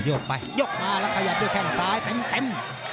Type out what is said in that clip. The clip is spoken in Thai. กไปโยกมาแล้วขยับด้วยแข้งซ้ายเต็ม